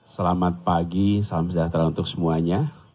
selamat pagi salam sejahtera untuk semuanya